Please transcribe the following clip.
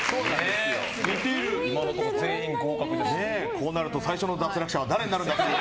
こうなると最初の脱落者は誰になるんだと。